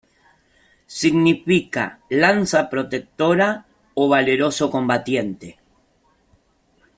Significa "lanza protectora" o "valeroso combatiente".